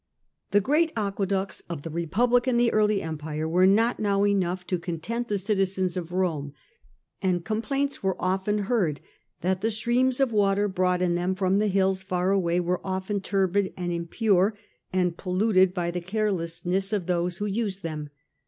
The great aque ducta. ducts of the republic and the early empire were not now enough to content the citizens of Rome, and complaints were often heard that the streams of water Drought m mem from the hills far away were often turbid and impure, and polluted by the carelessness of 97 117 Trajan . 17 those who used them.